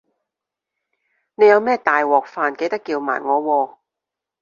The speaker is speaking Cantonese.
你有咩大鑊飯記得叫埋我喎